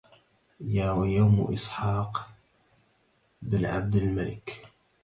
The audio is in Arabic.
يا يوم إسحاق بن عبد الملك